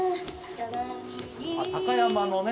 高山のね。